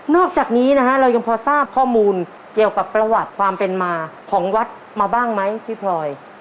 อกจากนี้นะฮะเรายังพอทราบข้อมูลเกี่ยวกับประวัติความเป็นมาของวัดมาบ้างไหมพี่พลอย